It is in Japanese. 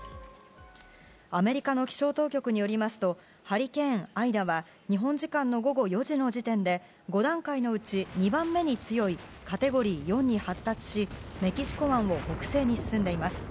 アメリカの気象当局によりますとハリケーン、アイダは日本時間の午後４時の時点で５段階のうち２番目に強いカテゴリー４に発達しメキシコ湾を北西に進んでいます。